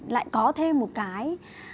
lại có thêm một cái